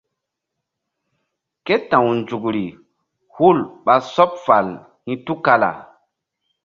Ké ta̧w nzukri hul ɓa sɔɓ fal hi̧ tukala.